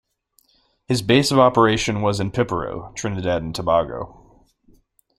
His base of operation was in Piparo, Trinidad and Tobago.